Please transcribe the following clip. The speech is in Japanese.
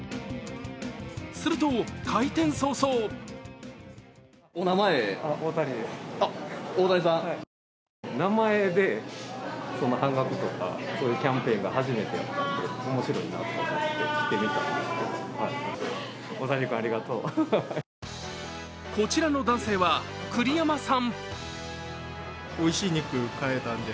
すると開店早々こちらの男性は栗山さん。